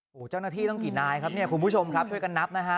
โหเจ้าหน้าที่ตั้งกี่นายครับนี้ครับคุณผู้ชมครับเข้ากันนับนะฮะ